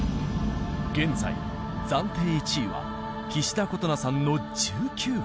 現在暫定１位は岸田琴那さんの１９札。